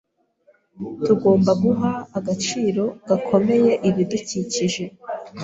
Tugomba guha agaciro gakomeye ibidukikije.